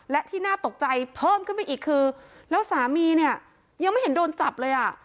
และที่น่าตกใจเพิ่มขึ้นไปอีกคือแล้วสามีเนี่ยยังไม่เห็นโดนจับเลยอ่ะ